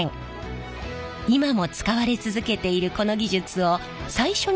今も使われ続けているこの技術を最初に開発したのが実は。